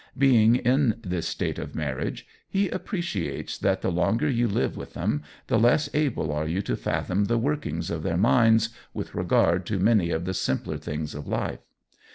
Being in this state of marriage he appreciates that the longer you live with them the less able are you to fathom the workings of their minds with regard to many of the simpler things of life.